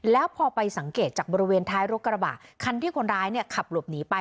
แล้วพอไปสังเกตจากบริเวณท้ายรถกระบะคันที่คนร้ายขับหลบหนีไป